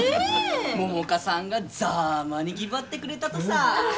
百花さんがざぁまにぎばってくれたとさぁ！